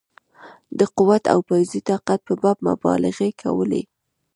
د قوت او پوځي طاقت په باب مبالغې کولې.